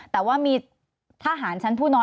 สวัสดีครับทุกคน